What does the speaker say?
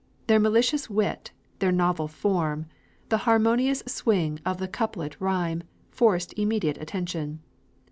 Their malicious wit, their novel form, the harmonious swing of the couplet rhyme, forced immediate attention.